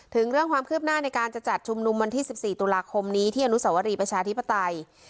ถึงเรื่องความคืบหน้าในการจะจัดชุมนุมวันที่๑๔ตุลาคมนี้ที่อนุสวรีประชาธิปไตย